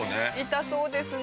痛そうですね。